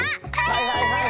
はいはいはい！